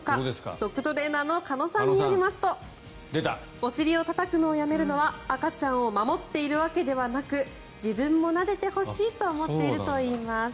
ドッグトレーナーの鹿野さんによりますとお尻をたたくのをやめるのは赤ちゃんを守っているわけではなく自分もなでてほしいと思っているといいます。